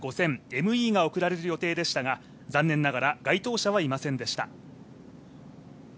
ＭＥが贈られる予定でしたが残念ながら該当者はいませんでした。